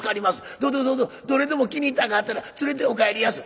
どうぞどうぞどれでも気に入ったんがあったら連れてお帰りやす」。